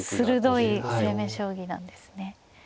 鋭い攻め将棋なんですね。